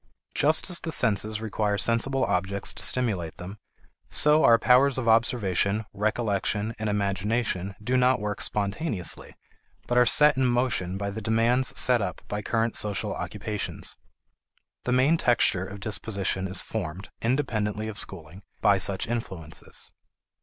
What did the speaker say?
Just as the senses require sensible objects to stimulate them, so our powers of observation, recollection, and imagination do not work spontaneously, but are set in motion by the demands set up by current social occupations. The main texture of disposition is formed, independently of schooling, by such influences.